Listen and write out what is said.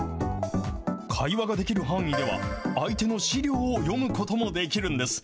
会話ができる範囲では、相手の資料を読むこともできるんです。